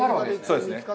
そうですね。